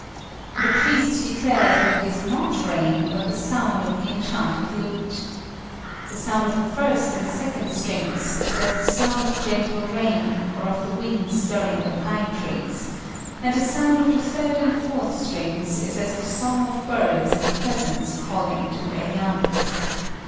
The priest declares that it is not rain, but the sound of the enchanted lute. The sound of the first and second strings is as the sound of gentle rain, or of the wind stirring the pine trees; and the sound of the third and fourth strings is as the song of birds and pheasants calling to their young.